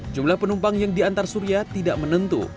jumlah penumpang yang diantar surya tidak menentu